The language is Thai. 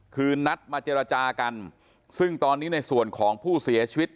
คือนัดมาเจรจากันซึ่งตอนนี้ในส่วนของผู้เสียชีวิต